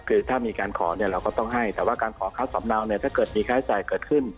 คือถ้ามีการขอเนี่ยเราก็ต้องให้แต่ว่าการขอคัดสำเนาเนี่ยถ้าเกิดมีค่าใช้จ่ายเกิดขึ้น